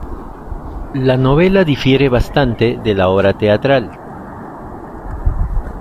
La novela difiere bastante de la obra teatral.